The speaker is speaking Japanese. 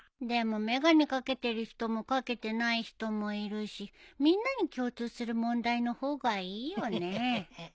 でも眼鏡掛けてる人も掛けてない人もいるしみんなに共通する問題の方がいいよね。